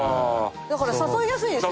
だから誘いやすいですよね。